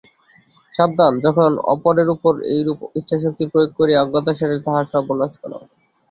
সাবধান, যখন অপরের উপর এইরূপ ইচ্ছাশক্তি প্রয়োগ করিয়া অজ্ঞাতসারে তাহার সর্বনাশ কর।